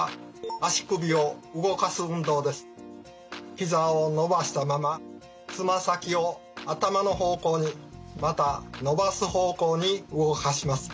ひざを伸ばしたままつま先を頭の方向にまた伸ばす方向に動かします。